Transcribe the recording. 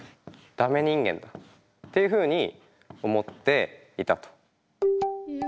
ダメ人間だっていうふうに思っていたと。